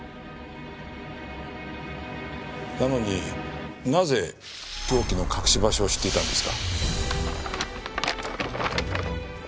なのになぜ凶器の隠し場所を知っていたんですか？